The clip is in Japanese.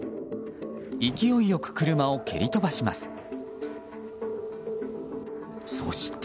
勢い良く車を蹴り飛ばします。